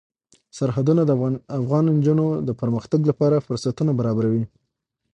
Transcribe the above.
سرحدونه د افغان نجونو د پرمختګ لپاره فرصتونه برابروي.